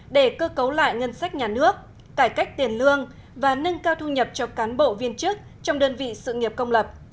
để cơ cấu lại ngân sách nhà nước cải cách tiền lương và nâng cao thu nhập cho cán bộ viên chức trong đơn vị sự nghiệp công lập